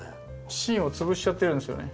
芯を潰しちゃってるんですよね。